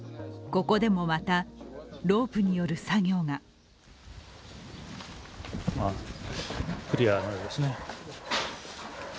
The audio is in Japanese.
ここでも、またロープによる作業がクリアなようですね。